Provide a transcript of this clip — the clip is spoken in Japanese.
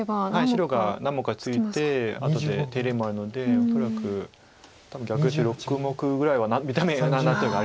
白が何目かついてあとで手入れもあるので恐らく多分逆ヨセ６目ぐらいは見た目が何となくありそう。